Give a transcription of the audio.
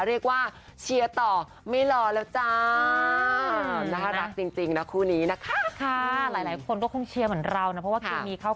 เรียกว่าเชียร์ต่อไม่หล่อแล้วจ้าน่ารักจริงนะคู่นี้นะคะ